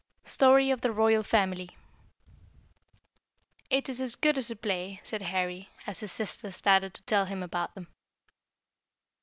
STORY OF THE ROYAL FAMILY. "It is as good as a play," said Harry, as his sister started to tell him about them.